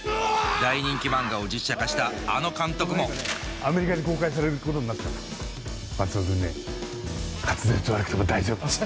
大人気漫画を実写化したあの監督もアメリカで公開されることになったから松戸君ね滑舌悪くても大丈夫。